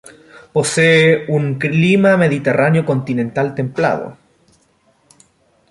Posee un clima mediterráneo continental templado.